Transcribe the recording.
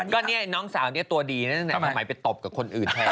ก็เนี่ยน้องสาวนี้ตัวดีนะทำไมไปตบกับคนอื่นแทบ